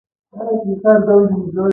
کافي شمېر بې وزلۍ سوکالۍ بریالۍ دي.